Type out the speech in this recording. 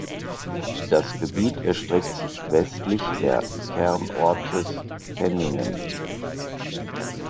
Das Gebiet erstreckt sich westlich der Kernortes Teningen.